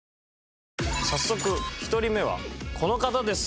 早速１人目はこの方です。